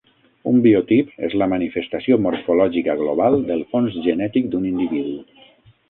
Un biotip és la manifestació morfològica global del fons genètic d'un individu.